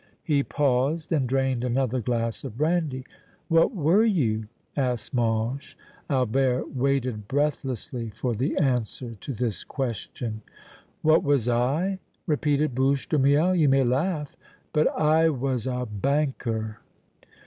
He paused and drained another glass of brandy. "What were you?" asked Mange. Albert waited breathlessly for the answer to this question. "What was I?" repeated Bouche de Miel. "You may laugh, but I was a banker!"